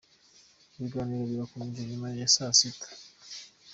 Ibiganiro birakomeza nyuma ya saa sita.